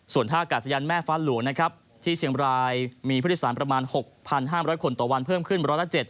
ส่วนท่ากาศยานแม่ฟ้าหลวงนะครับที่เชียงบรายมีผู้โดยสารประมาณ๖๕๐๐คนต่อวันเพิ่มขึ้น๑๗